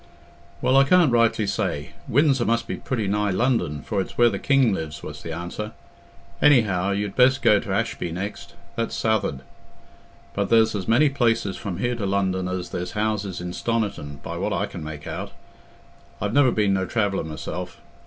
"Well, I can't rightly say. Windsor must be pretty nigh London, for it's where the king lives," was the answer. "Anyhow, you'd best go t' Ashby next—that's south'ard. But there's as many places from here to London as there's houses in Stoniton, by what I can make out. I've never been no traveller myself.